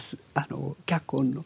脚本の。